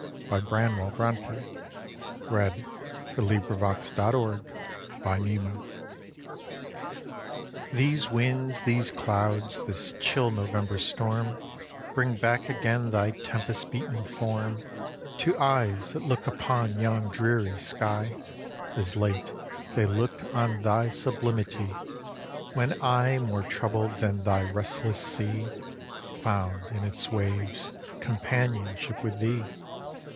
'P. B. BRONT├ŗ.' The poem enclosed was entitled: PENMAENMAWR. 'These winds, these clouds, this chill November storm Bring back again thy tempest beaten form To eyes that look upon yon dreary sky As late they looked on thy sublimity; When I, more troubled than thy restless sea, Found, in its waves, companionship with thee.